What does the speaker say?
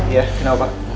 iya kenapa pak